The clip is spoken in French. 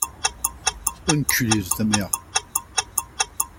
Enculé de ta mère.